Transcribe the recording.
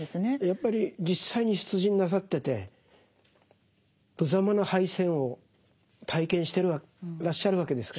やっぱり実際に出陣なさっててぶざまな敗戦を体験してらっしゃるわけですから。